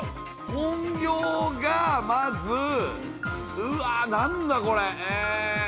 本業がまず、うわ、何だこれ。